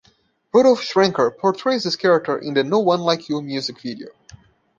Rudolf Schenker portrays this character in the "No One Like You" music video.